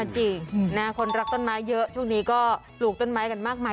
จริงคนรักต้นไม้เยอะช่วงนี้ก็ปลูกต้นไม้กันมากมาย